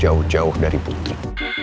jauh jauh dari putri